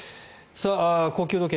高級時計